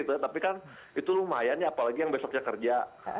tapi kan itu lumayan ya apalagi yang besoknya kerja